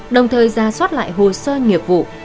đồng thời ra soát lại hồ sơ nghiệp vụ